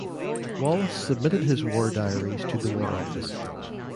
Wallis submitted his war diaries to the War Office.